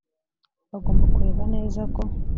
bagomba kureba neza ko